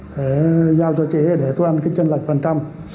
để giao cho chị để tôi ăn cái chân lạch phần trăm